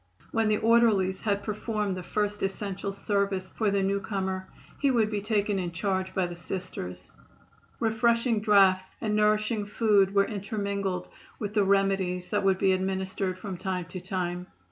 When the orderlies had performed the first essential service for the newcomer he would be taken in charge by the Sisters. Refreshing draughts and nourishing food were intermingled with the remedies that would be administered from time to time.